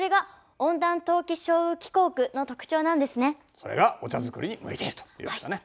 それがお茶作りに向いているというわけだね。